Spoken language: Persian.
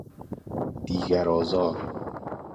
دیگرآزار